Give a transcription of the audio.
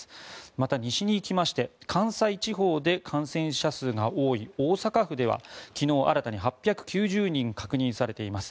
また、西に行きまして関西地方で感染者数が多い大阪府では昨日新たに８９０人確認されています。